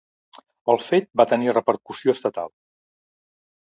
El fet va tenir repercussió estatal.